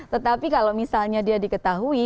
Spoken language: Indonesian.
tetapi kalau misalnya dia diketahui